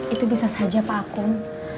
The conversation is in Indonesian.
itu bisa saja pakum